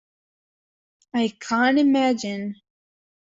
I can't imagine.